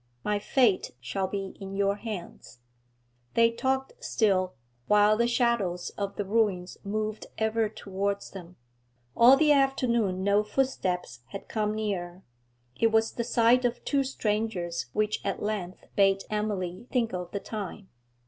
'My fate shall be in your hands.' They talked still, while the shadows of the ruins moved ever towards them. All the afternoon no footsteps had come near; it was the sight of two strangers which at length bade Emily think of the time.